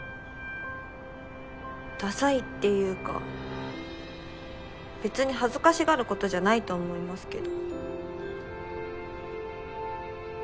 ダサいっていうか別に恥ずかしがることじゃないと思いますけど。